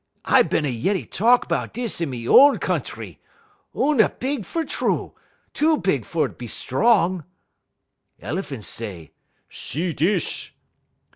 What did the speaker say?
I bin a yeddy talk 'bout dis in me y own countree. Oona big fer true; too big fer be strong.' "El'phan' say: 'See dis!'